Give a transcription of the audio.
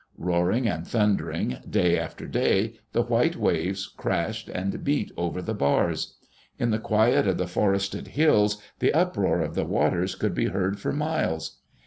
Roaring and thundering, day after day, the white waves crashed and beat over the bars. In the quiet of the forested hills, the uproar of the waters could be heard for miles.